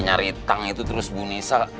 nyari tang itu terus bu nisa